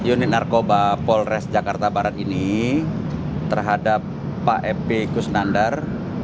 uni narkoba polores jakarta barat ini terhadap pak epy kusnandar